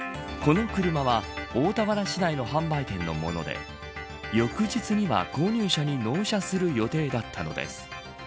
この車は、大田原市内の販売店のもので翌日には購入者に納車する予定だったのです。